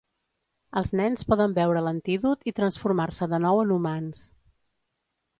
Els nens poden beure l'antídot i transformar-se de nou en humans.